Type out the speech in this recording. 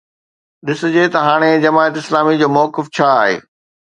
ڏسجي ته هاڻي جماعت اسلامي جو موقف ڇا آهي.